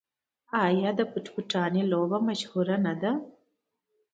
آیا د پټ پټانې لوبه مشهوره نه ده؟